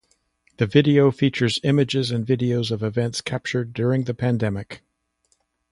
The video features images and videos of events captured during the pandemic.